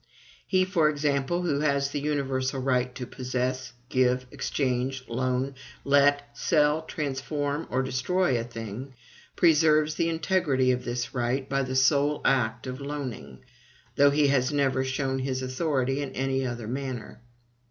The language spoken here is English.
He, for example, who has the universal right to possess, give, exchange, loan, let, sell, transform, or destroy a thing, preserves the integrity of this right by the sole act of loaning, though he has never shown his authority in any other manner.